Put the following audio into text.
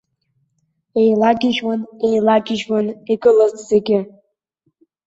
Еилагьежьуан, еилагьежьуан игылаз зегьы.